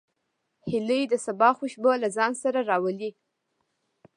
هیلۍ د سبا خوشبو له ځان سره راوړي